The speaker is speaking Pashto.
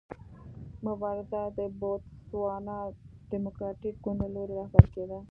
مبارزه د بوتسوانا ډیموکراټیک ګوند له لوري رهبري کېده.